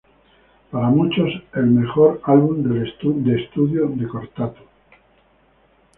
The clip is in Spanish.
Para muchos, el mejor álbum de estudio de Kortatu.